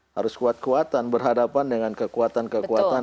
harus kuat kuatan berhadapan dengan kekuatan kekuatan